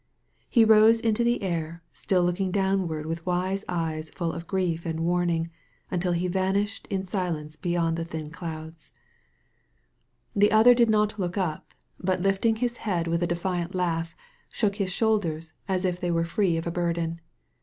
He rose into the air, still looking downward with wise eyes full of grief and warning, until he van ished in silence beyond the thin clouds. 6 A REMEMBERED DREAM The other did not look up, but liftiiig his head with a defiant laugh, shook his shoulders as if they were free of a burden.